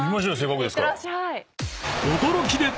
いってらっしゃい。